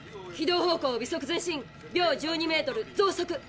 軌道方向微速前進秒１２メートル増速。